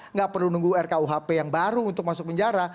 nggak perlu nunggu rkuhp yang baru untuk masuk penjara